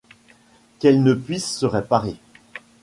qu’elle ne puisse se réparer ?